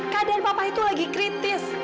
keadaan papa itu lagi kritis